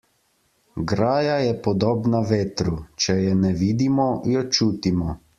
Graja je podobna vetru: če je ne vidimo, jo čutimo.